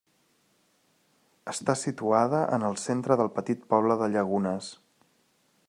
Està situada en el centre del petit poble de Llagunes.